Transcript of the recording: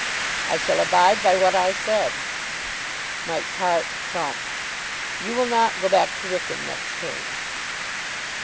"I shall abide by what I said." Mike's heart thumped. "You will not go back to Wrykyn next term."